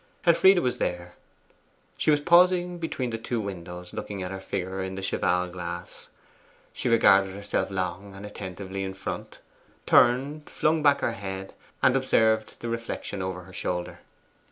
Elfride was there; she was pausing between the two windows, looking at her figure in the cheval glass. She regarded herself long and attentively in front; turned, flung back her head, and observed the reflection over her shoulder.